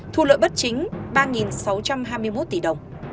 thu lợi bất chính ba sáu trăm hai mươi một tỷ đồng